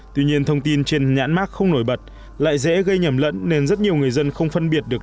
tuy nhiên thông tin trên nhãn mắc không nổi bật lại dễ gây nhầm lẫn nên rất nhiều người dân không phân biệt được